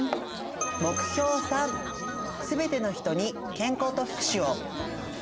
目標３「すべての人に健康と福祉を」。